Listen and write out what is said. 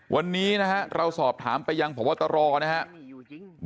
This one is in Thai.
วันนี้เราสอบถามไปยังผมว่าตลอดนะครับ